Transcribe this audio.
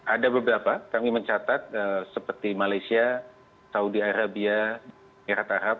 ada beberapa kami mencatat seperti malaysia saudi arabia erat arab